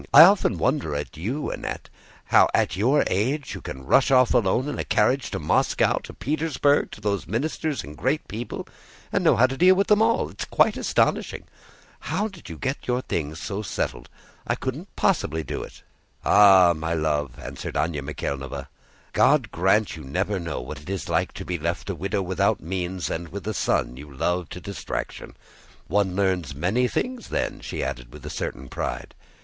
I often wonder at you, Annette—how at your age you can rush off alone in a carriage to Moscow, to Petersburg, to those ministers and great people, and know how to deal with them all! It's quite astonishing. How did you get things settled? I couldn't possibly do it." "Ah, my love," answered Anna Mikháylovna, "God grant you never know what it is to be left a widow without means and with a son you love to distraction! One learns many things then," she added with a certain pride.